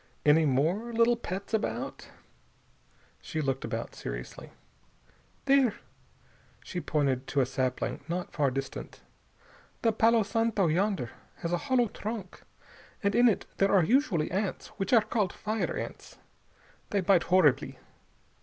"Any more little pets about?" She looked about seriously. "There." She pointed to a sapling not far distant. "The palo santo yonder has a hollow trunk, and in it there are usually ants, which are called fire ants. They bite horribly.